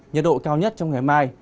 nhiệt độ cao nhất trong ngày mai